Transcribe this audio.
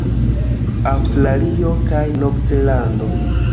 Aŭstralio kaj Novzelando